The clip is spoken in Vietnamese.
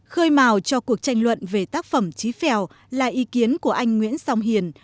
khơi màu cho cuộc tranh luận về tác phẩm trí phèo là ý kiến của anh nguyễn song hiền